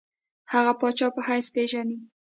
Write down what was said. هغه پاچا په حیث پېژني.